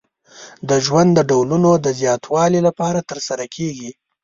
د ژوند د ډولونو د زیاتوالي لپاره ترسره کیږي.